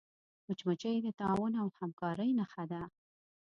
مچمچۍ د تعاون او همکاری نښه ده